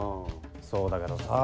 そうだけどさ。